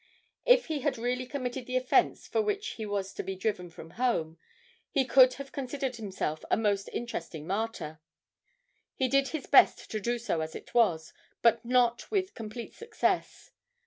If he had really committed the offence for which he was to be driven from home, he could have considered himself a most interesting martyr; he did his best to do so as it was, but not with complete success.